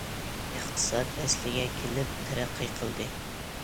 —— ئىقتىساد ئەسلىگە كېلىپ تەرەققىي قىلدى.